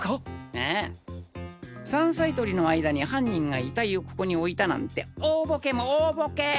ああ山菜採りの間に犯人が遺体をここに置いたなんて大ボケも大ボケ！